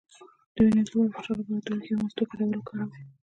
د وینې د لوړ فشار لپاره د هوږې او مستو ګډول وکاروئ